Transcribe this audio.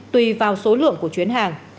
tùy vào số lượng của chuyến hàng